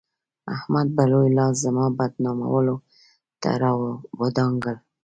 احمد به لوی لاس زما بدنامولو ته راودانګل.